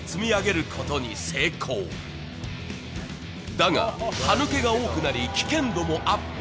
だが、歯抜けが多くなり、危険度もアップ。